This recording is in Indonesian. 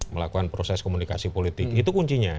melakukan proses komunikasi politik itu kuncinya